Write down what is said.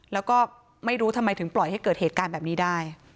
แล้วก็ไม่รู้ทำไมถึงปล่อยให้เกิดเหตุการณ์แบบนี้ได้